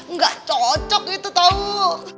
nggak cocok itu tau